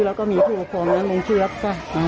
แล้วก็มีผู้ปกครองนั้นลงชื่อแล้วก็ทุกคนก็แล้วอ่า